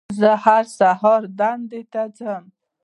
زه هر سهار دندې ته ځم